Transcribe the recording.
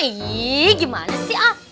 iya gimana sih ah